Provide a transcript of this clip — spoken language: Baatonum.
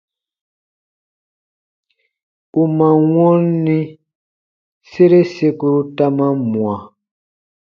U man wɔnni, sere sekuru ta man mwa.